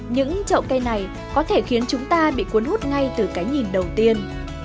những trậu cây này có thể khiến chúng ta bị cuốn hút ngay từ cái nhìn đầu tiên